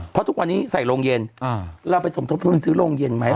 เพราะทุกวันนี้ใส่โรงเย็นเราไปสมทบทุนซื้อโรงเย็นไหม